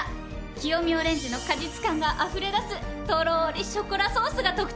清見オレンジの果実感があふれ出すとろりショコラソースが特徴よ！